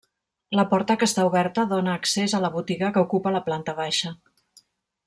La porta que està oberta dóna accés a la botiga que ocupa la planta baixa.